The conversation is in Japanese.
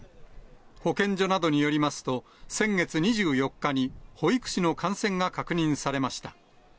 保健所などによりますと、先月２４日に保育士の感染が確認されました。